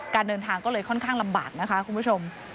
การเดินทางก็เลยค่อนข้างลำบากนะคะคุณผู้ชม